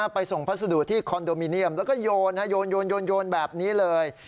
ไปส่งพัสดุที่คอนโดมิเนียมแล้วก็โยนโยนแบบนี้เลย